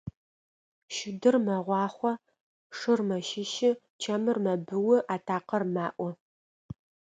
Щыдыр мэгъуахъо, шыр мэщыщы, чэмыр мэбыу, атакъэр маӀо.